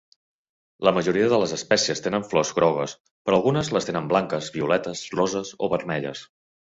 La majoria de les espècies tenen flors grogues, però algunes les tenen blanques, violetes, roses o vermelles.